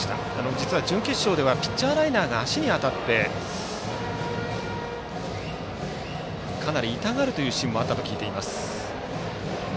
実は準決勝ではピッチャーライナーが足に当たってかなり痛がるシーンもあったと聞いています。